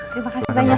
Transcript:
terima kasih banyak